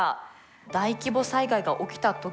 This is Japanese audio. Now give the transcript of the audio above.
大規模災害が起きた時にですね